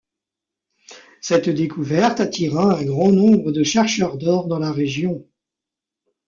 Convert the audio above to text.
Cette découverte attira un grand nombre de chercheurs d'or dans la région.